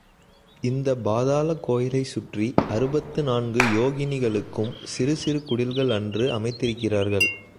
இந்தப் பாதாளக் கோயிலைச் சுற்றி அறுபத்து நான்கு யோகினிகளுக்கும் சிறு சிறு குடில்கள் அன்று அமைத்திருக்கிறார்கள்.